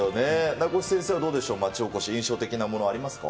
名越先生はどうでしょう、印象的なもの、ありますか。